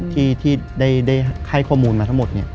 ที่ได้ให้ข้อมูลมาทั้งหมด